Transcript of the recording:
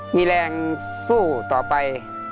มีแรงสู้ต่อไป